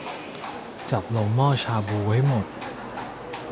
จับลงหม้อชาบูให้หมด